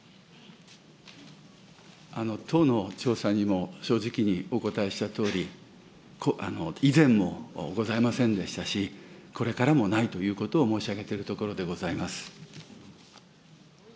党の調査にも正直にお答えしたとおり、以前もございませんでしたし、これからもないということを申し上げているところでございます。